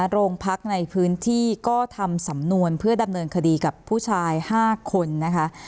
โรงพักในพื้นที่ก็ทำสำนวนเพื่อดำเนินคดีกับผู้ชาย๕คนนะคะ